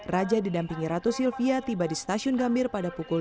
raja didampingi ratu sylvia tiba di stasiun gambir pada pukul delapan empat puluh pagi